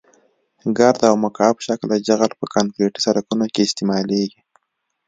ګرد او مکعب شکله جغل په کانکریټي سرکونو کې استعمالیږي